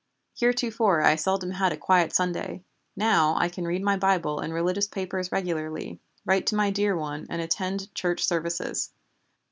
Heretofore I seldom had a quiet Sunday. Now I can read my Bible and religious papers regularly, write to my dear one, and attend Church services.